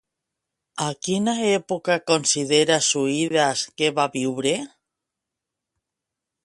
A quina època considera Suides que va viure?